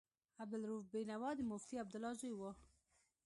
عبدالرؤف بېنوا د مفتي عبدالله زوی و.